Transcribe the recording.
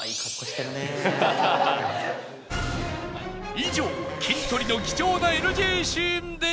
以上『キントリ』の貴重な ＮＧ シーンでした